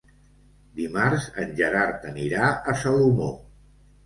Dimarts en Gerard anirà a Salomó.